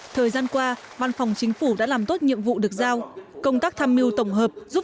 thời gian qua văn phòng chính phủ đã làm tốt nhiệm vụ được giao công tác tham mưu tổng hợp giúp